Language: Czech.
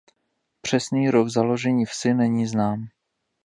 Přesný rok založení vsi není znám.